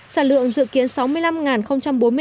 sản lượng dự kiến sáu mươi năm bốn mươi tấn một năm